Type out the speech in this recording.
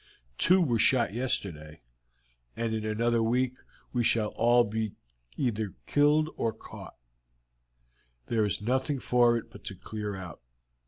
Two were shot yesterday, and in another week we shall all either be killed or caught. There is nothing for it but to clear out.